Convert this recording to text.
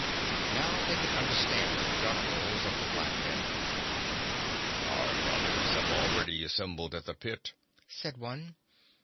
Now they could understand the gutturals of the black men. 'Our brothers have already assembled at the pit,' said one.